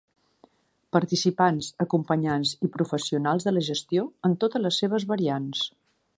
Participants, acompanyants i professionals de la gestió, en totes les seves variants.